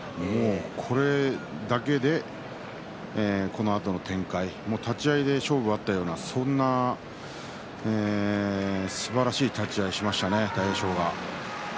これだけでこのあとの展開立ち合いで勝負あったようなそんなすばらしい立ち合いをしましたね、大栄翔は。